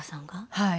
はい。